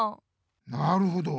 なるほど。